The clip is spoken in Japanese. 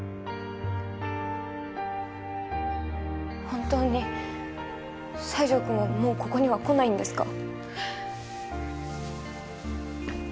本当に西条くんはもうここには来ないんですか？